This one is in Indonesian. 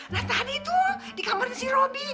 nah tadi tuh di kamarnya si robi